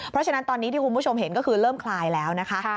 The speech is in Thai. เพราะฉะนั้นตอนนี้ที่คุณผู้ชมเห็นก็คือเริ่มคลายแล้วนะคะ